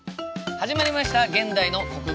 始まりました「現代の国語」。